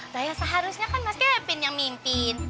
dah ya seharusnya kan mas kevin yang mimpin